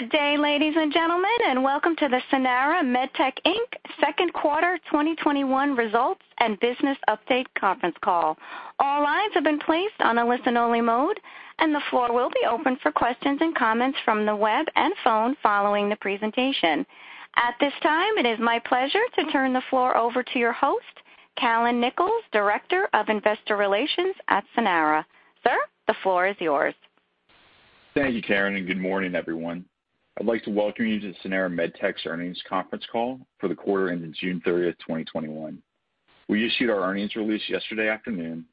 Good day, ladies and gentlemen, and welcome to the Sanara MedTech Inc. second quarter 2021 results and business update conference call. All lines have been placed on a listen-only mode, and the floor will be open for questions and comments from the web and phone following the presentation. At this time, it is my pleasure to turn the floor over to your host, Callon Nichols, Director of Investor Relations at Sanara. Sir, the floor is yours. Thank you, Karen. Good morning, everyone. I'd like to welcome you to Sanara MedTech's earnings conference call for the quarter ending June 30th, 2021. We issued our earnings release yesterday afternoon.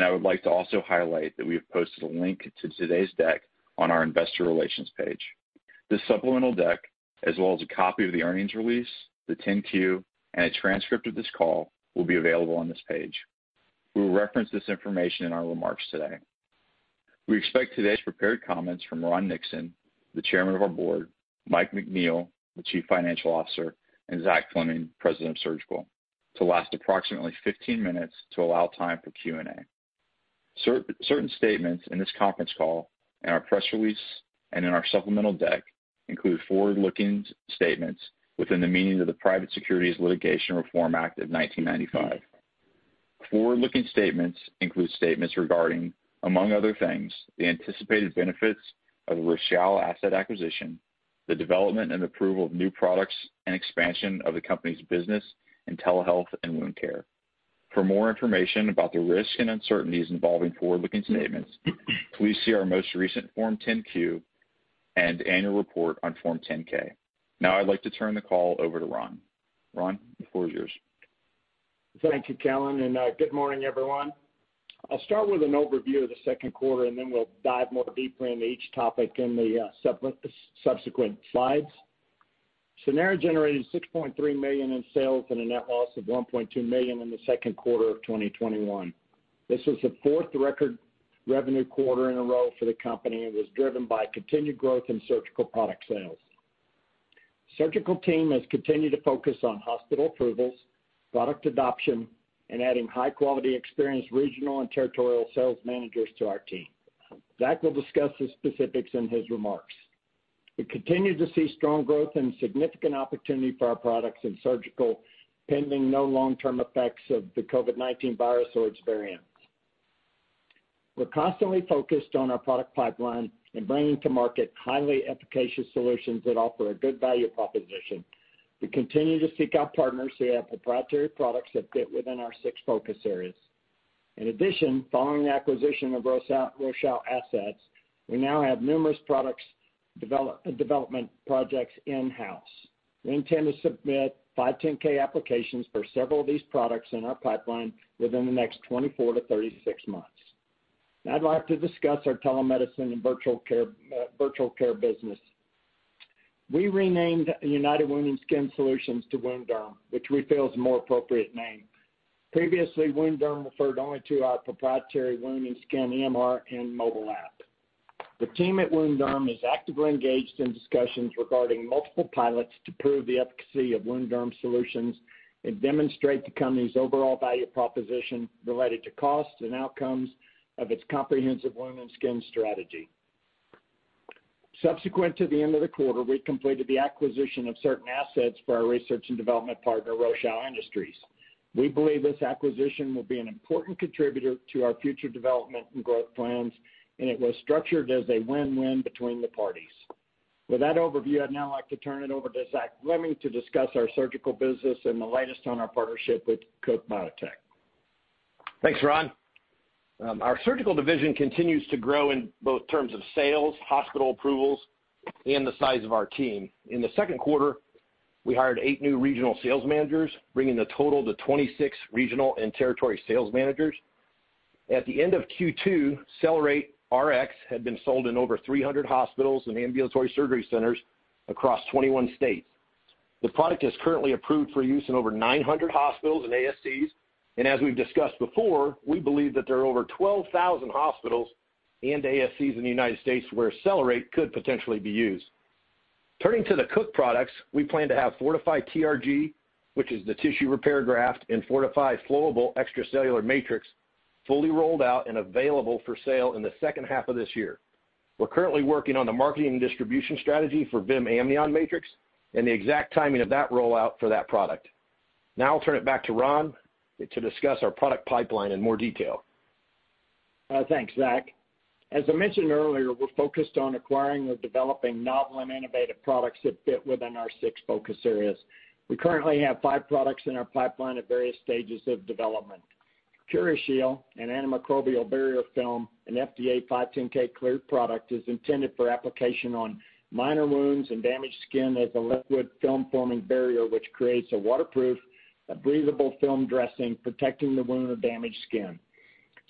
I would like to also highlight that we have posted a link to today's deck on our investor relations page. This supplemental deck, as well as a copy of the earnings release, the 10-Q, and a transcript of this call, will be available on this page. We will reference this information in our remarks today. We expect today's prepared comments from Ron Nixon, the Chairman of our Board, Mike McNeil, the Chief Financial Officer, and Zach Fleming, President of Surgical, to last approximately 15 minutes to allow time for Q&A. Certain statements in this conference call and our press release, and in our supplemental deck include forward-looking statements within the meaning of the Private Securities Litigation Reform Act of 1995. Forward-looking statements include statements regarding, among other things, the anticipated benefits of the Rochal Asset acquisition, the development and approval of new products, and expansion of the company's business in telehealth and wound care. For more information about the risks and uncertainties involving forward-looking statements, please see our most recent Form 10-Q and annual report on Form 10-K. Now I'd like to turn the call over to Ron. Ron, the floor is yours. Thank you, Callon. Good morning, everyone. I'll start with an overview of the second quarter. We'll dive more deeply into each topic in the subsequent slides. Sanara generated $6.3 million in sales and a net loss of $1.2 million in the second quarter of 2021. This was the fourth record revenue quarter in a row for the company, and was driven by continued growth in Surgical product sales. Surgical team has continued to focus on hospital approvals, product adoption, and adding high-quality experienced regional and territorial sales managers to our team. Zach will discuss the specifics in his remarks. We continue to see strong growth and significant opportunity for our products in Surgical, pending no long-term effects of the COVID-19 virus or its variants. We're constantly focused on our product pipeline and bringing to market highly efficacious solutions that offer a good value proposition. We continue to seek out partners who have proprietary products that fit within our six focus areas. In addition, following the acquisition of Rochal Assets, we now have numerous development projects in-house. We intend to submit 510(k) applications for several of these products in our pipeline within the next 24-36 months. Now I'd like to discuss our telemedicine and virtual care business. We renamed United Wound and Skin Solutions to WounDerm, which we feel is a more appropriate name. Previously, WounDerm referred only to our proprietary wound and skin EMR and mobile app. The team at WounDerm is actively engaged in discussions regarding multiple pilots to prove the efficacy of WounDerm solutions and demonstrate the company's overall value proposition related to cost and outcomes of its comprehensive wound and skin strategy. Subsequent to the end of the quarter, we completed the acquisition of certain assets for our research and development partner, Rochal Industries. We believe this acquisition will be an important contributor to our future development and growth plans. It was structured as a win-win between the parties. With that overview, I'd now like to turn it over to Zachary Fleming to discuss our surgical business and the latest on our partnership with Cook Biotech. Thanks, Ron. Our surgical division continues to grow in both terms of sales, hospital approvals, and the size of our team. In the second quarter, we hired eight new regional sales managers, bringing the total to 26 regional and territory sales managers. At the end of Q2, CellerateRX had been sold in over 300 hospitals and ambulatory surgery centers across 21 states. The product is currently approved for use in over 900 hospitals and ASCs. As we've discussed before, we believe that there are over 12,000 hospitals and ASCs in the United States where CellerateRx could potentially be used. Turning to the Cook products, we plan to have FORTIFY TRG, which is the tissue repair graft, and FORTIFY FLOWABLE Extracellular Matrix fully rolled out and available for sale in the second half of this year. We're currently working on the marketing and distribution strategy for VIM Amnion Matrix and the exact timing of that rollout for that product. I'll turn it back to Ron to discuss our product pipeline in more detail. Thanks, Zach. As I mentioned earlier, we're focused on acquiring or developing novel and innovative products that fit within our six focus areas. We currently have five products in our pipeline at various stages of development. CuraShield, an antimicrobial barrier film and FDA 510(k) cleared product, is intended for application on minor wounds and damaged skin as a liquid film-forming barrier, which creates a waterproof, breathable film dressing protecting the wound or damaged skin.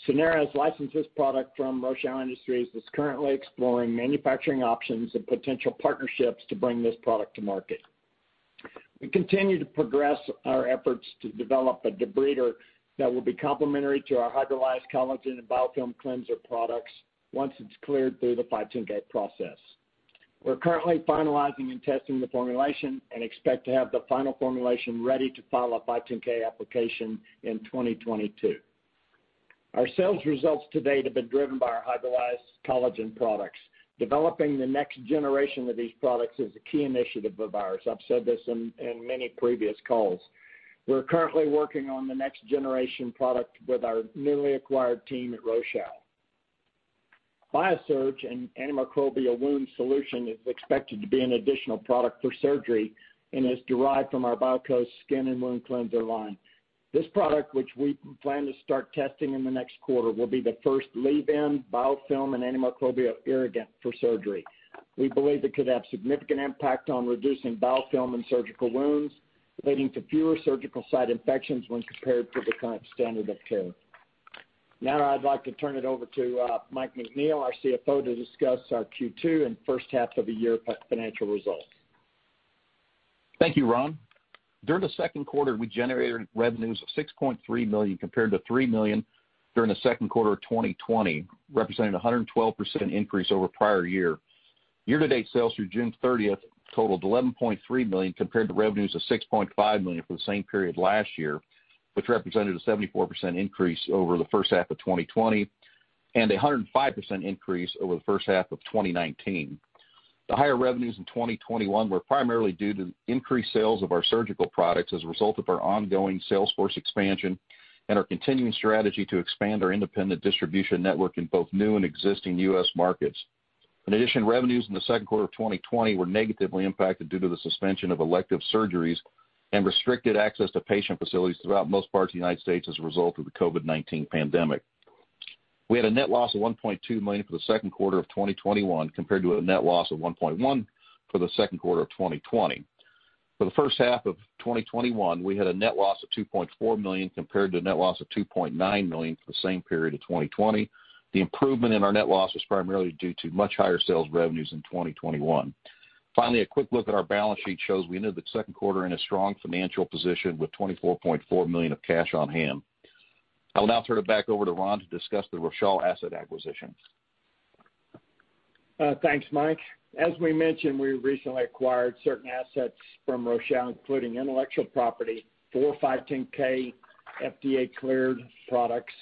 Sanara has licensed this product from Rochal Industries and is currently exploring manufacturing options and potential partnerships to bring this product to market. We continue to progress our efforts to develop a debrider that will be complementary to our hydrolyzed collagen and biofilm cleanser products once it's cleared through the 510(k) process. We're currently finalizing and testing the formulation and expect to have the final formulation ready to file a 510(k) application in 2022. Our sales results to date have been driven by our hydrolyzed collagen products. Developing the next generation of these products is a key initiative of ours. I've said this in many previous calls. We're currently working on the next generation product with our newly acquired team at Rochal. BIASURGE, an antimicrobial wound solution, is expected to be an additional product for surgery and is derived from our BIAKŌS Skin and Wound Cleanser line. This product, which we plan to start testing in the next quarter, will be the first leave-in biofilm and antimicrobial irrigant for surgery. We believe it could have significant impact on reducing biofilm and surgical wounds, leading to fewer surgical site infections when compared to the current standard of care. Now I'd like to turn it over to Michael McNeil, our CFO, to discuss our Q2 and first half of the year financial results. Thank you, Ron. During the second quarter, we generated revenues of $6.3 million compared to $3 million during the second quarter of 2020, representing 112% increase over prior year. Year to date sales through June 30th totaled $11.3 million compared to revenues of $6.5 million for the same period last year, which represented a 74% increase over the first half of 2020 and 105% increase over the first half of 2019. The higher revenues in 2021 were primarily due to increased sales of our surgical products as a result of our ongoing sales force expansion and our continuing strategy to expand our independent distribution network in both new and existing U.S. markets. In addition, revenues in the second quarter of 2020 were negatively impacted due to the suspension of elective surgeries and restricted access to patient facilities throughout most parts of the United States as a result of the COVID-19 pandemic. We had a net loss of $1.2 million for the second quarter of 2021, compared to a net loss of $1.1 for the second quarter of 2020. For the first half of 2021, we had a net loss of $2.4 million, compared to a net loss of $2.9 million for the same period of 2020. The improvement in our net loss was primarily due to much higher sales revenues in 2021. Finally, a quick look at our balance sheet shows we ended the second quarter in a strong financial position with $24.4 million of cash on hand. I will now turn it back over to Ron to discuss the Rochal Asset Acquisition. Thanks, Mike. As we mentioned, we recently acquired certain assets from Rochal, including intellectual property, four or five 510(k) FDA cleared products,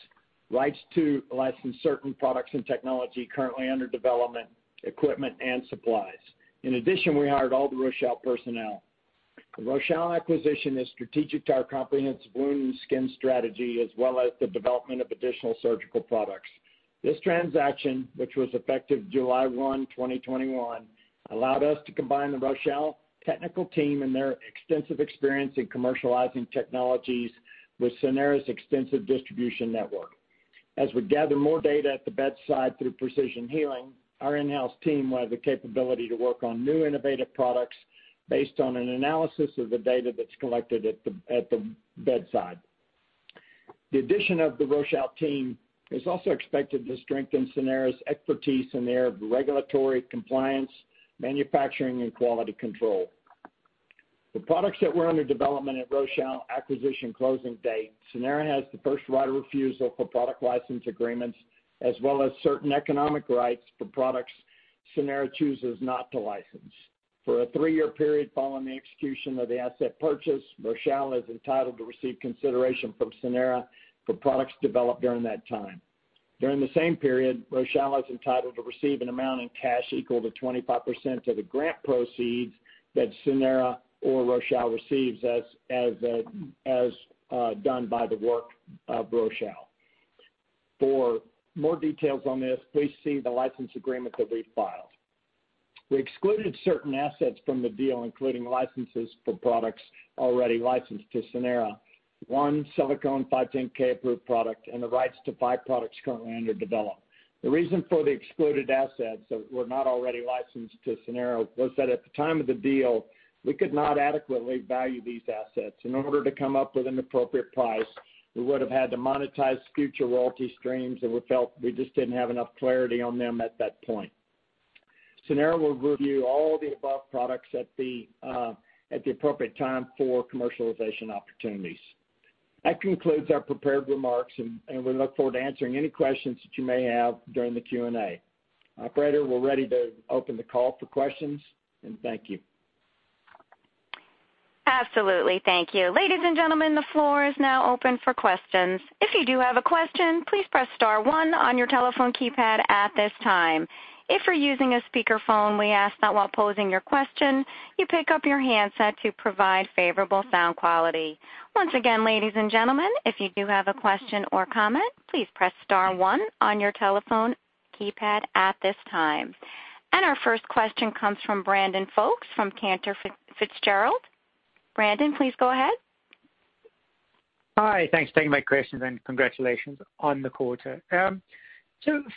rights to license certain products and technology currently under development, equipment, and supplies. In addition, we hired all the Rochal personnel. The Rochal acquisition is strategic to our comprehensive wound and skin strategy, as well as the development of additional surgical products. This transaction, which was effective July 1, 2021, allowed us to combine the Rochal technical team and their extensive experience in commercializing technologies with Sanara's extensive distribution network. As we gather more data at the bedside through Precision Healing, our in-house team will have the capability to work on new innovative products based on an analysis of the data that's collected at the bedside. The addition of the Rochal team is also expected to strengthen Sanara's expertise in the area of regulatory compliance, manufacturing, and quality control. The products that were under development at Rochal acquisition closing date, Sanara has the first right of refusal for product license agreements as well as certain economic rights for products Sanara chooses not to license. For a three-year period following the execution of the asset purchase, Rochal is entitled to receive consideration from Sanara for products developed during that time. During the same period, Rochal is entitled to receive an amount in cash equal to 25% of the grant proceeds that Sanara or Rochal receives as done by the work of Rochal. For more details on this, please see the license agreement that we filed. We excluded certain assets from the deal, including licenses for products already licensed to Sanara. One 510(k) approved product, and the rights to five products currently under development. The reason for the excluded assets that were not already licensed to Sanara was that at the time of the deal, we could not adequately value these assets. In order to come up with an appropriate price, we would have had to monetize future royalty streams, we felt we just didn't have enough clarity on them at that point. Sanara will review all the above products at the appropriate time for commercialization opportunities. That concludes our prepared remarks, we look forward to answering any questions that you may have during the Q&A. Operator, we're ready to open the call for questions, thank you. Absolutely. Thank you. Ladies and gentlemen, the floor is now open for questions. If you do have a question, please press star one on your telephone keypad at this time. If you're using a speakerphone, we ask that while posing your question, you pick up your handset to provide favorable sound quality. Once again, ladies and gentlemen, if you do have a question or comment, please press star one on your telephone keypad at this time. Our first question comes from Brandon Folkes from Cantor Fitzgerald. Brandon, please go ahead. Hi. Thanks for taking my questions. Congratulations on the quarter.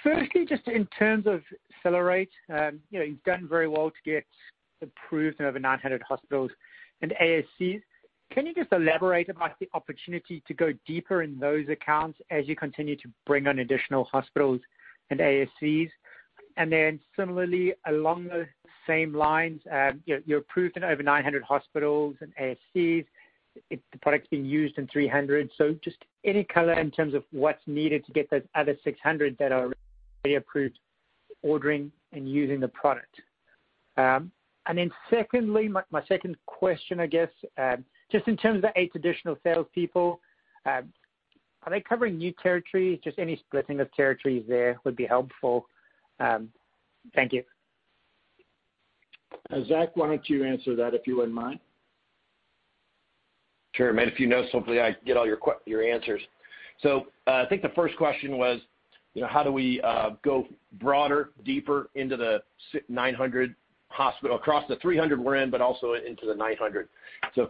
Firstly, just in terms of CellerateRX, you've done very well to get approved in over 900 hospitals and ASCs. Can you just elaborate about the opportunity to go deeper in those accounts as you continue to bring on additional hospitals and ASCs? Similarly, along those same lines, you're approved in over 900 hospitals and ASCs. The product's being used in 300. Just any color in terms of what's needed to get those other 600 that are already approved, ordering and using the product. Secondly, my second question, I guess, just in terms of the eight additional salespeople, are they covering new territories? Just any splitting of territories there would be helpful. Thank you. Zach, why don't you answer that, if you wouldn't mind? Sure. Mate, if you know, hopefully I get all your answers. I think the first question was how do we go broader, deeper into the 900 across the 300 we're in, but also into the 900.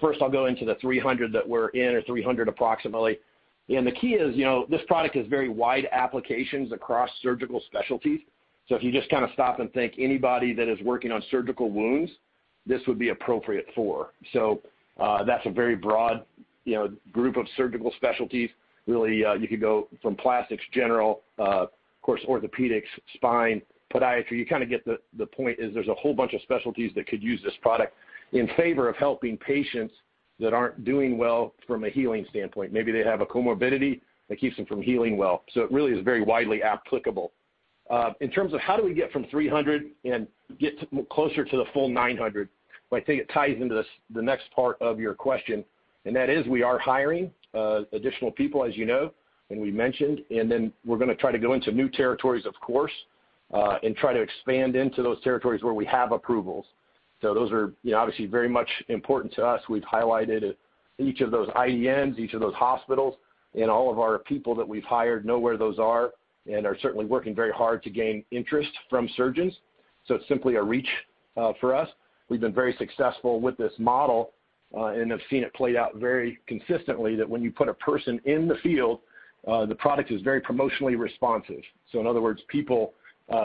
First I'll go into the 300 that we're in, or 300 approximately. The key is, this product has very wide applications across surgical specialties. If you just kind of stop and think anybody that is working on surgical wounds, this would be appropriate for. That's a very broad group of surgical specialties. Really, you could go from plastics, general, of course, orthopedics, spine, podiatry. You kind of get the point is there's a whole bunch of specialties that could use this product in favor of helping patients that aren't doing well from a healing standpoint. Maybe they have a comorbidity that keeps them from healing well. It really is very widely applicable. In terms of how do we get from 300 and get closer to the full 900, well, I think it ties into the next part of your question, and that is, we are hiring additional people, as you know, and we mentioned. Then we're going to try to go into new territories, of course, and try to expand into those territories where we have approvals. Those are obviously very much important to us. We've highlighted each of those IDNs, each of those hospitals, and all of our people that we've hired know where those are and are certainly working very hard to gain interest from surgeons. It's simply a reach for us. We've been very successful with this model, and have seen it played out very consistently, that when you put a person in the field, the product is very promotionally responsive. In other words, people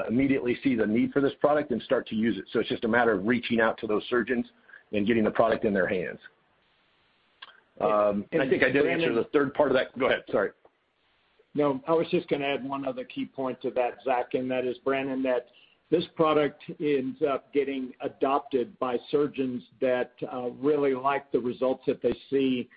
immediately see the need for this product and start to use it. It's just a matter of reaching out to those surgeons and getting the product in their hands. I think I did answer the third part of that. Go ahead, sorry. I was just going to add one other key point to that, Zach, that is, Brandon, that this product ends up getting adopted by surgeons that really like the results that they see.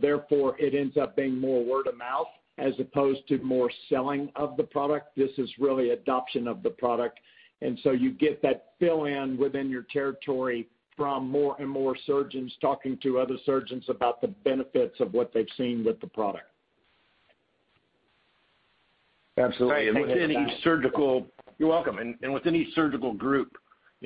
Therefore, it ends up being more word of mouth as opposed to more selling of the product. This is really adoption of the product. You get that fill in within your territory from more and more surgeons talking to other surgeons about the benefits of what they've seen with the product. Absolutely. within each surgical- Thank you for that. You're welcome. With any surgical group,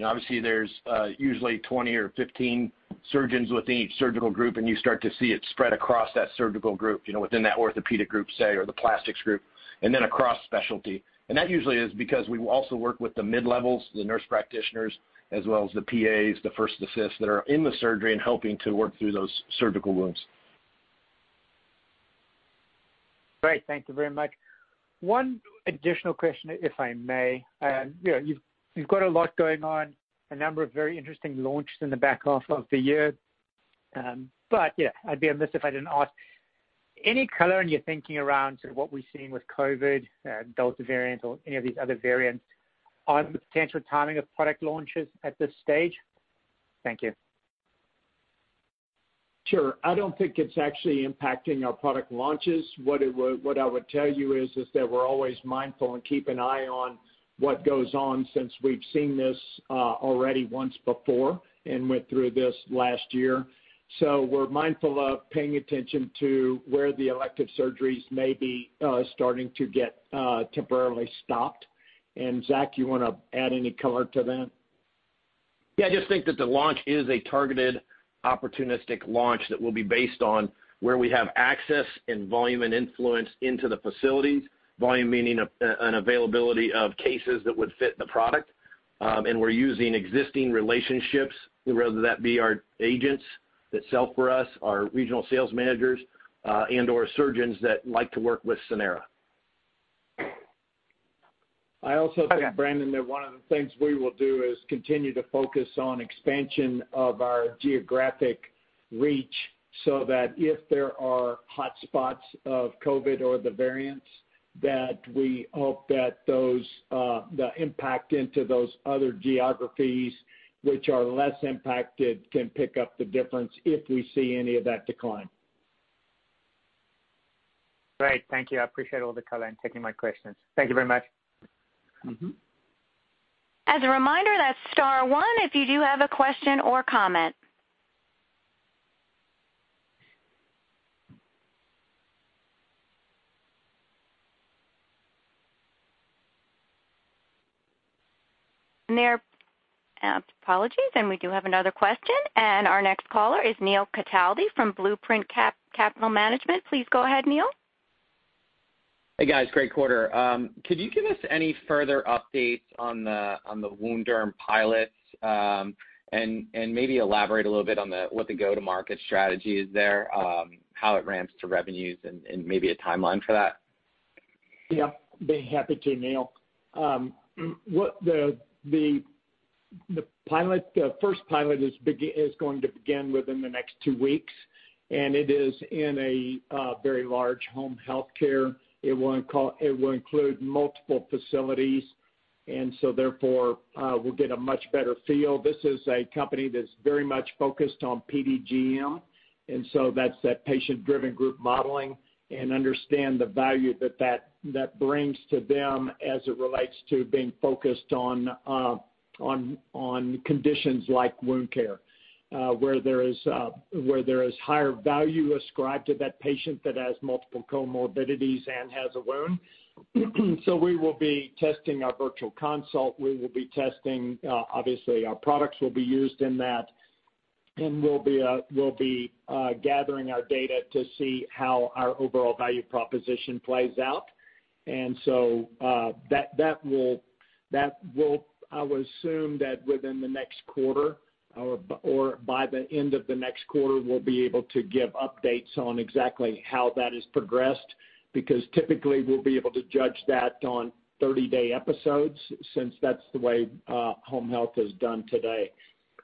obviously there's usually 20 or 15 surgeons within each surgical group, and you start to see it spread across that surgical group, within that orthopedic group, say, or the plastics group, and then across specialty. That usually is because we also work with the mid-levels, the nurse practitioners, as well as the PAs, the first assists that are in the surgery and helping to work through those surgical wounds. Great. Thank you very much. One additional question, if I may. You've got a lot going on, a number of very interesting launches in the back half of the year. Yeah, I'd be remiss if I didn't ask. Any color in your thinking around sort of what we're seeing with COVID Delta variant or any of these other variants on the potential timing of product launches at this stage? Thank you. Sure. I don't think it's actually impacting our product launches. What I would tell you is that we're always mindful and keep an eye on what goes on since we've seen this already once before and went through this last year. We're mindful of paying attention to where the elective surgeries may be starting to get temporarily stopped. Zach, you want to add any color to that? Yeah, I just think that the launch is a targeted, opportunistic launch that will be based on where we have access and volume and influence into the facilities. Volume meaning an availability of cases that would fit the product. We're using existing relationships, whether that be our agents that sell for us, our regional sales managers, and/or surgeons that like to work with Sanara. I also think, Brandon, that one of the things we will do is continue to focus on expansion of our geographic reach so that if there are hotspots of COVID or the variants, that we hope that the impact into those other geographies which are less impacted can pick up the difference if we see any of that decline. Great. Thank you. I appreciate all the color and taking my questions. Thank you very much. As a reminder, that's star one if you do have a question or comment. We do have another question. Our next caller is Neil Cataldi from Blueprint Capital Management. Please go ahead, Neil. Hey, guys. Great quarter. Could you give us any further updates on the WounDerm pilots? Maybe elaborate a little bit on what the go-to-market strategy is there, how it ramps to revenues and maybe a timeline for that? Yeah, be happy to, Neil. The first pilot is going to begin within the next two weeks, and it is in a very large home healthcare. It will include multiple facilities. Therefore, we'll get a much better feel. This is a company that's very much focused on PDGM, and so that's that patient-driven group modeling, and understand the value that brings to them as it relates to being focused on conditions like wound care, where there is higher value ascribed to that patient that has multiple comorbidities and has a wound. We will be testing our virtual consult. We will be testing, obviously, our products will be used in that, and we'll be gathering our data to see how our overall value proposition plays out. I would assume that within the next quarter or by the end of the next quarter, we'll be able to give updates on exactly how that has progressed, because typically we'll be able to judge that on 30-day episodes, since that's the way home health is done today.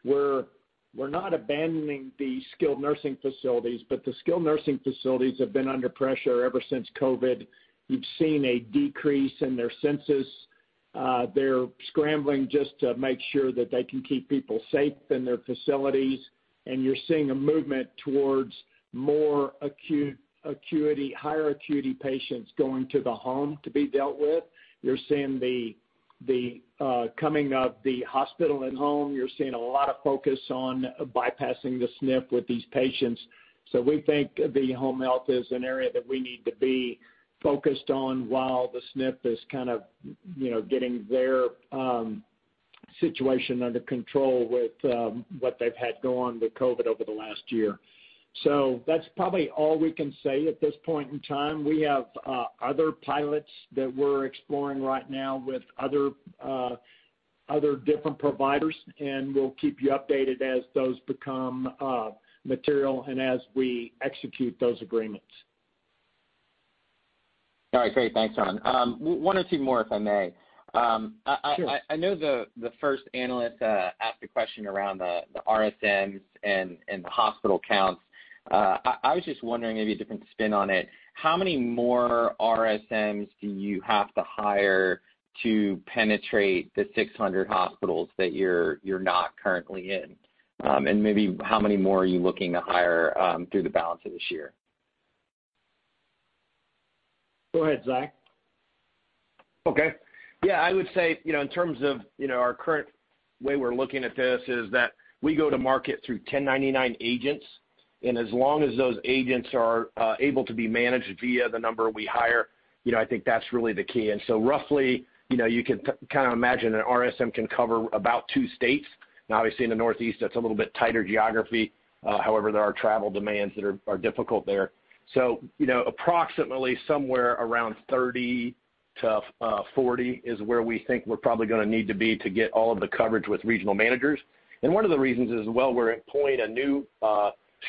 We're not abandoning the skilled nursing facilities, but the skilled nursing facilities have been under pressure ever since COVID. We've seen a decrease in their census. They're scrambling just to make sure that they can keep people safe in their facilities. You're seeing a movement towards more higher acuity patients going to the home to be dealt with. You're seeing the coming of the hospital at home. You're seeing a lot of focus on bypassing the SNF with these patients. We think the home health is an area that we need to be focused on while the SNF is kind of getting their situation under control with what they've had go on with COVID over the last one year. That's probably all we can say at this point in time. We have other pilots that we're exploring right now with other different providers, and we'll keep you updated as those become material and as we execute those agreements. All right, great. Thanks, Ron. One or two more, if I may. Sure. I know the first analyst asked a question around the RSMs and the hospital counts. I was just wondering, maybe a different spin on it, how many more RSMs do you have to hire to penetrate the 600 hospitals that you're not currently in? Maybe how many more are you looking to hire through the balance of this year? Go ahead, Zach. Okay. Yeah, I would say, in terms of our current way we're looking at this is that we go to market through 1099 agents. As long as those agents are able to be managed via the number we hire, I think that's really the key. Roughly, you can kind of imagine an RSM can cover about two states. Obviously in the Northeast, that's a little bit tighter geography. However, there are travel demands that are difficult there. Approximately somewhere around 30 to 40 is where we think we're probably going to need to be to get all of the coverage with regional managers. One of the reasons as well, we're employing a new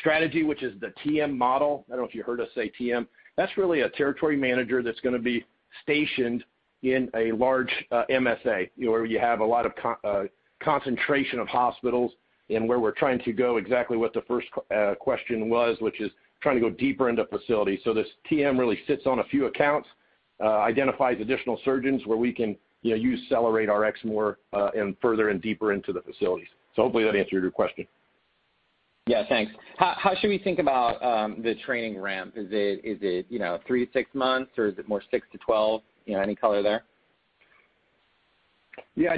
strategy, which is the TM model. I don't know if you heard us say TM. That's really a territory manager that's going to be stationed in a large MSA, where you have a lot of concentration of hospitals and where we're trying to go exactly what the first question was, which is trying to go deeper into facilities. This TM really sits on a few accounts, identifies additional surgeons where we can use CellerateRX more and further and deeper into the facilities. Hopefully that answered your question. Yeah. Thanks. How should we think about the training ramp? Is it three, six months or is it more 6-12? Any color there? We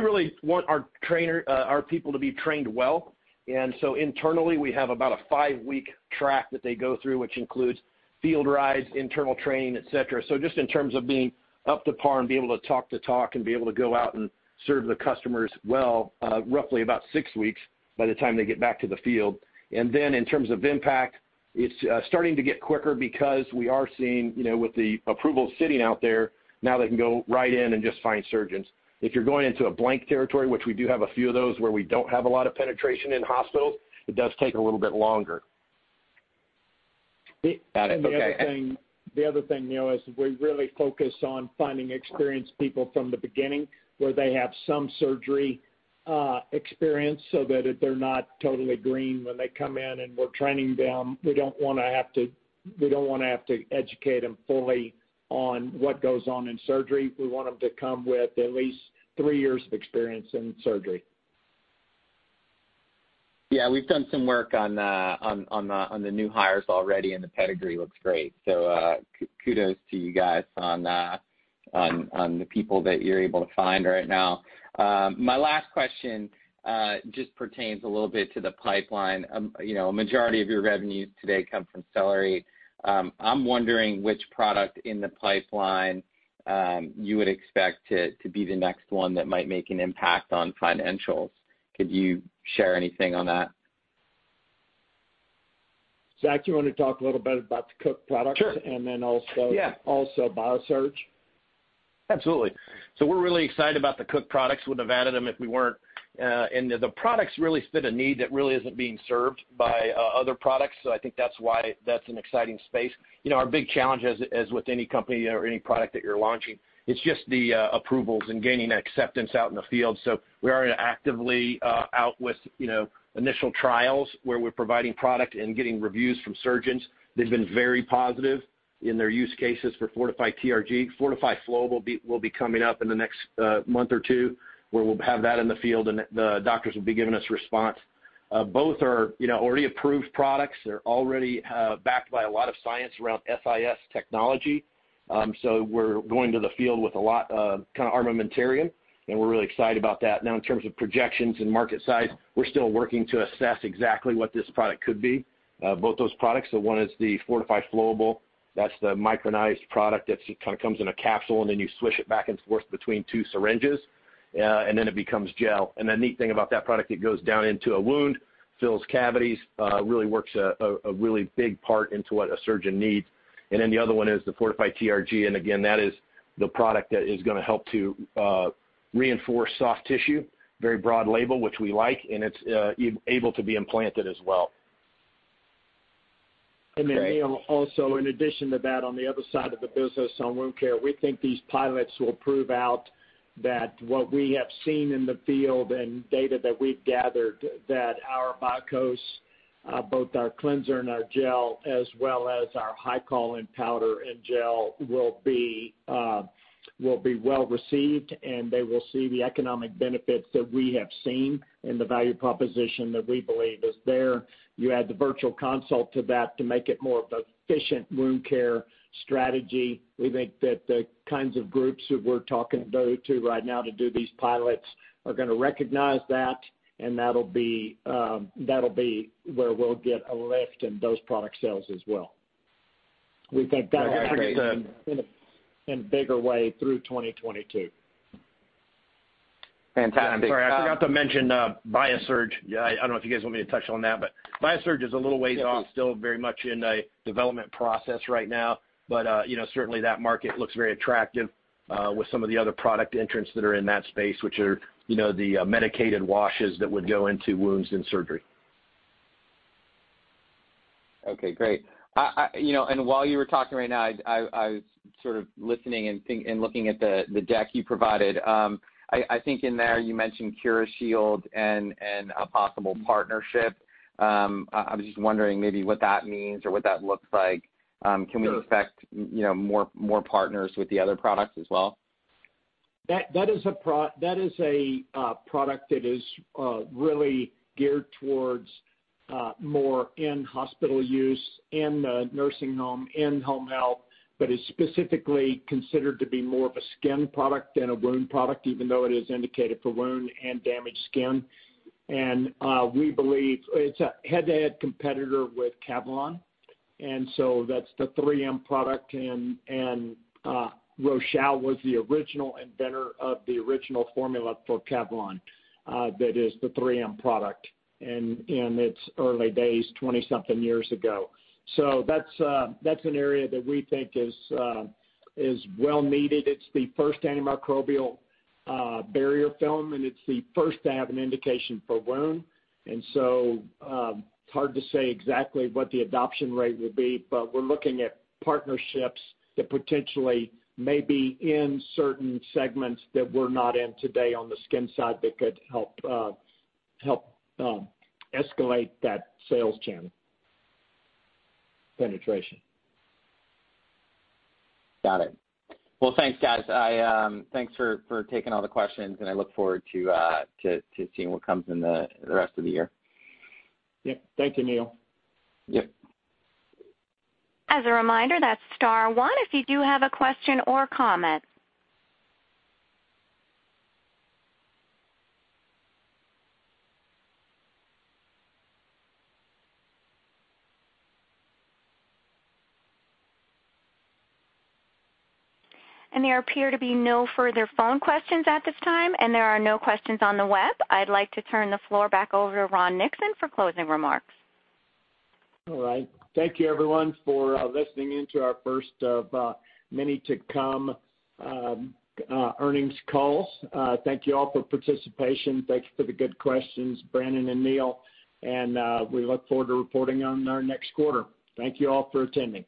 really want our people to be trained well. Internally, we have about a five-week track that they go through, which includes field rides, internal training, et cetera. Just in terms of being up to par and being able to talk the talk and be able to go out and serve the customers well, roughly about six weeks by the time they get back to the field. In terms of impact, it's starting to get quicker because we are seeing, with the approval sitting out there, now they can go right in and just find surgeons. If you're going into a blank territory, which we do have a few of those where we don't have a lot of penetration in hospitals, it does take a little bit longer. Got it. Okay. The other thing is we really focus on finding experienced people from the beginning, where they have some surgery experience so that they're not totally green when they come in and we're training them. We don't want to have to educate them fully on what goes on in surgery. We want them to come with at least three years of experience in surgery. Yeah, we've done some work on the new hires already. The pedigree looks great. Kudos to you guys on the people that you're able to find right now. My last question just pertains a little bit to the pipeline. A majority of your revenues today come from CellerateRX. I'm wondering which product in the pipeline you would expect to be the next one that might make an impact on financials. Could you share anything on that? Zach, you want to talk a little bit about the Cook products? Sure. And then also- Yeah also BIASURGE. Absolutely. We're really excited about the Cook products. Wouldn't have added them if we weren't. The products really fit a need that really isn't being served by other products. I think that's why that's an exciting space. Our big challenge, as with any company or any product that you're launching, it's just the approvals and gaining that acceptance out in the field. We are actively out with initial trials where we're providing product and getting reviews from surgeons. They've been very positive in their use cases for FORTIFY TRG. FORTIFY FLOWABLE will be coming up in the next month or two, where we'll have that in the field, and the doctors will be giving us response. Both are already approved products. They're already backed by a lot of science around SIS technology. We're going to the field with a lot of armamentarium, and we're really excited about that. In terms of projections and market size, we're still working to assess exactly what this product could be, both those products. One is the FORTIFY FLOWABLE. That's the micronized product that comes in a capsule, then you swish it back and forth between two syringes, then it becomes gel. The neat thing about that product, it goes down into a wound, fills cavities, really works a really big part into what a surgeon needs. Then the other one is the FORTIFY TRG. Again, that is the product that is going to help to reinforce soft tissue, very broad label, which we like, and it's able to be implanted as well. Neil, also in addition to that, on the other side of the business on wound care, we think these pilots will prove out that what we have seen in the field and data that we've gathered, that our BIAKŌS, both our cleanser and our gel, as well as our HYCOL in powder and gel, will be well received, and they will see the economic benefits that we have seen and the value proposition that we believe is there. You add the virtual consult to that to make it more of an efficient wound care strategy. We think that the kinds of groups who we're talking to right now to do these pilots are going to recognize that, and that'll be where we'll get a lift in those product sales as well. We think that happens in a bigger way through 2022. Fantastic. I'm sorry. I forgot to mention BIASURGE. I don't know if you guys want me to touch on that. BIASURGE is a little ways off, still very much in a development process right now. Certainly that market looks very attractive with some of the other product entrants that are in that space, which are the medicated washes that would go into wounds in surgery. Okay, great. While you were talking right now, I was sort of listening and looking at the deck you provided. I think in there you mentioned CuraShield and a possible partnership. I was just wondering maybe what that means or what that looks like. Can we expect more partners with the other products as well? That is a product that is really geared towards more in-hospital use, in the nursing home, in-home health, but is specifically considered to be more of a skin product than a wound product, even though it is indicated for wound and damaged skin. We believe it's a head-to-head competitor with Cavilon, and so that's the 3M product. Rochal was the original inventor of the original formula for Cavilon. That is the 3M product in its early days, 20-something years ago. That's an area that we think is well needed. It's the first antimicrobial barrier film, and it's the first to have an indication for wound. It's hard to say exactly what the adoption rate will be, but we're looking at partnerships that potentially may be in certain segments that we're not in today on the skin side that could help escalate that sales channel penetration. Got it. Well, thanks guys. Thanks for taking all the questions and I look forward to seeing what comes in the rest of the year. Yep. Thank you, Neil. Yep. As a reminder, that's star one if you do have a question or comment. There appear to be no further phone questions at this time, and there are no questions on the web. I'd like to turn the floor back over to Ron Nixon for closing remarks. All right. Thank you everyone for listening in to our first of many to come earnings calls. Thank you all for participation. Thanks for the good questions, Brandon Folkes and Neil Cataldi. We look forward to reporting on our next quarter. Thank you all for attending.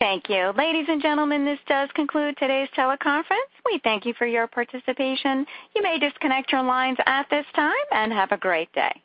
Thank you. Ladies and gentlemen, this does conclude today's teleconference. We thank you for your participation. You may disconnect your lines at this time, and have a great day.